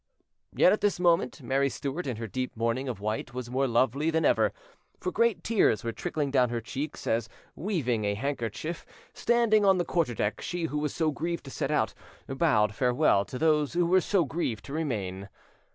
'" Yes, at this moment, Mary Stuart, in her deep mourning of white, was more lovely than ever; for great tears were trickling down her cheeks, as, weaving a handkerchief, standing on the quarterdeck, she who was so grieved to set out, bowed farewell to those who were so grieved to remain.